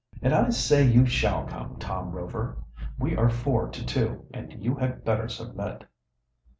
"And I say you shall come, Tom Rover. We are four to two, and you had better submit."